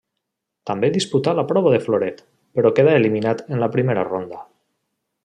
També disputà la prova de floret, però quedà eliminat en la primera ronda.